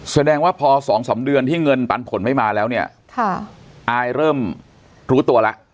แสดงว่าพอสองสามเดือนที่เงินปันผลไม่มาแล้วเนี่ยอายเริ่มรู้ตัวแล้ว